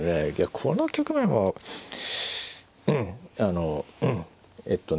この局面はあのえっとね